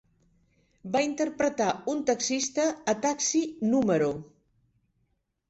Va interpretar un taxista a "Taxi número